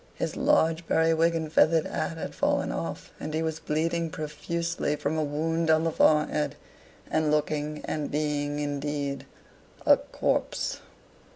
His large periwig and feathered hat had fallen off, and he was bleeding profusely from a wound on the forehead, and looking, and being, indeed, a corpse.